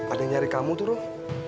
ada yang nyari kamu tuh roh